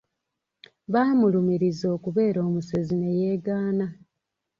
Baamulumiriza okubeera omusezi ne yeegaana.